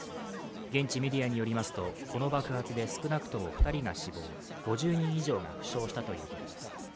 現地メディアによりますと、この爆発で少なくとも２人が死亡、５０人以上が負傷したということです。